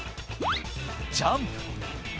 ジャンプ。